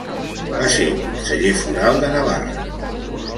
Va ser conseller foral de Navarra.